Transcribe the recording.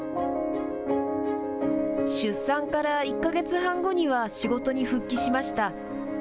出産から１か月半後には仕事に復帰しました。